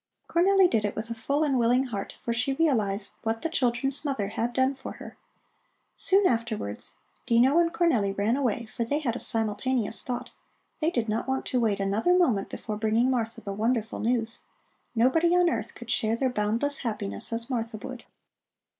Cornelli did it with a full and willing heart, for she realized what the children's mother had done for her. Soon afterwards, Dino and Cornelli ran away for they had had a simultaneous thought. They did not want to wait another moment before bringing Martha the wonderful news. Nobody on earth could share their boundless happiness as Martha would.